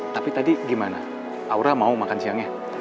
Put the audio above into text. tapi tadi gimana aura mau makan siangnya